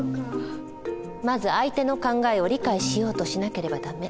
まず相手の考えを理解しようとしなければダメ。